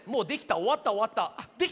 おわったおわった。